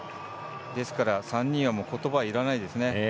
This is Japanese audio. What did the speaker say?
ですから３人はことばはいらないですね。